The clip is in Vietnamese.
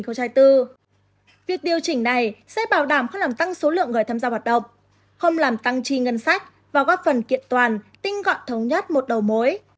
việc điều chỉnh này sẽ bảo đảm không làm tăng số lượng người tham gia hoạt động không làm tăng chi ngân sách và góp phần kiện toàn tinh gọn thống nhất một đầu mối